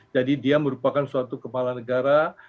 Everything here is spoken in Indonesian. dia merupakan suatu kepala negara